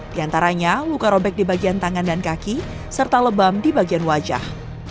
di antaranya luka robek di bagian tangan dan kaki serta lebam di bagian wajah